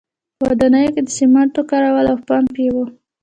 په ودانیو کې د سیمنټو کارول او پمپ یې و